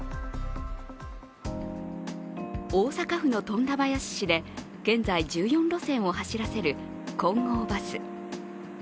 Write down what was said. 大阪府の富田林市で現在１４路線を走らせる金剛バス。